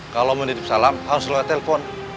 kalau mau titip salam harus lo telpon